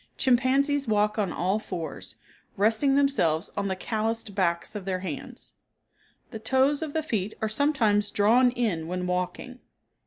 Chimpanzees walk on all fours, resting themselves on the calloused backs of their hands. The toes of the feet are sometimes drawn in when walking.